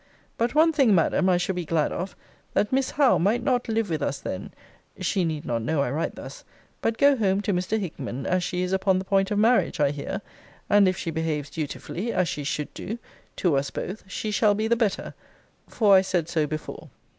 But one thing, Madam, I shall be glad of, that Miss Howe might not live with us then [she need not know I write thus] but go home to Mr. Hickman, as she is upon the point of marriage, I hear: and if she behaves dutifully, as she should do, to us both, she shall be the better; for I said so before.